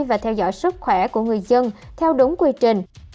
và theo dõi sức khỏe của người dân theo đúng quy trình